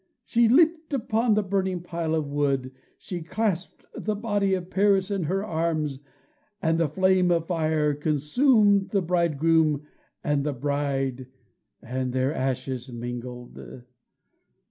She leaped upon the burning pile of wood, she clasped the body of Paris in her arms, and the flame of fire consumed the bridegroom and the bride, and their ashes mingled.